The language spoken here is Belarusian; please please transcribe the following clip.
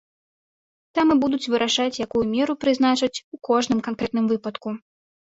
Там і будуць вырашаць, якую меру прызначыць у кожным канкрэтным выпадку.